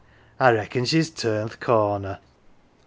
I reckon she's turned th' corner.""